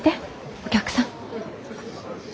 お客さん。